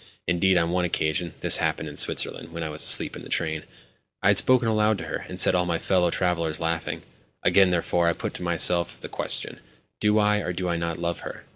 Indeed, on one occasion (this happened in Switzerland, when I was asleep in the train) I had spoken aloud to her, and set all my fellow travellers laughing. Again, therefore, I put to myself the question: "Do I, or do I not love her?"